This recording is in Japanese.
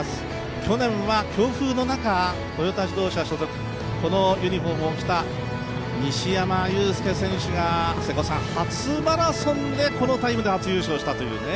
去年は強風の中、トヨタ自動車所属このユニフォームを着た、西山雄介選手が初マラソンでこのタイムで初優勝したというね。